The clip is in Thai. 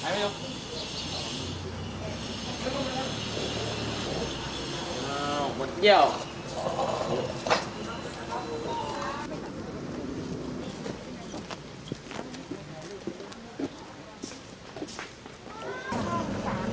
รอบของท่าน